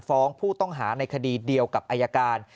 ฟ้องผู้ต้องหาในคดีเดียวกับอายการ